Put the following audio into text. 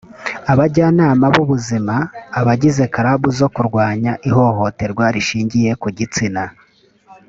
abajyanama b ubuzima abagize club zo kurwanya ihohoterwa rishingiye ku gitsina